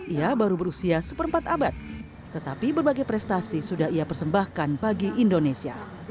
ia baru berusia seperempat abad tetapi berbagai prestasi sudah ia persembahkan bagi indonesia